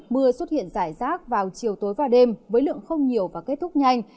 mưa xuất hiện rải rác vào chiều tối và đêm với lượng không nhiều và kết thúc nhanh